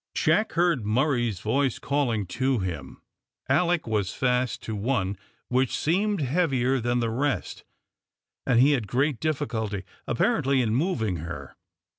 Jack heard Murray's voice calling to him. Alick was fast to one which seemed heavier than the rest, and he had great difficulty, apparently, in moving her.